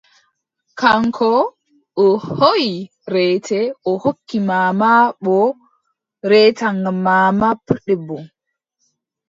Kaŋko o hooʼi reete, o hokki maama boo reeta ngam maama puldebbo,